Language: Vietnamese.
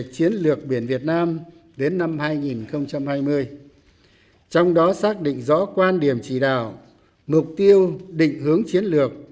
chiến lược biển việt nam đến năm hai nghìn hai mươi trong đó xác định rõ quan điểm chỉ đạo mục tiêu định hướng chiến lược